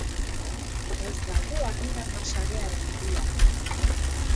Ez galdu armiarma sarearen haria!